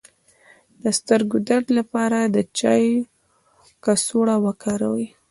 د سترګو درد لپاره د چای کڅوړه وکاروئ